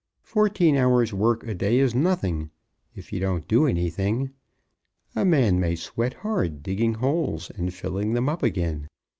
"Fourteen hours' work a day is nothing, if you don't do anything. A man may sweat hard digging holes and filling them up again.